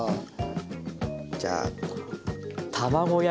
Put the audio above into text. じゃあ。